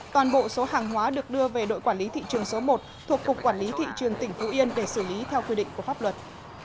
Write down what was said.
toàn bộ số hàng hóa được đưa về đội quản lý thị trường số một thuộc cục quản lý thị trường tỉnh phú yên để xử lý theo quy định của pháp luật